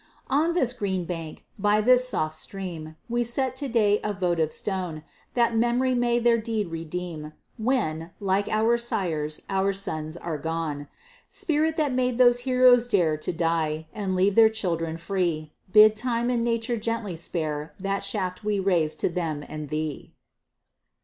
On this green bank, by this soft stream, We set to day a votive stone; That memory may their deed redeem, When, like our sires, our sons are gone. Spirit that made those heroes dare To die, and leave their children free, Bid Time and Nature gently spare The shaft we raise to them and thee.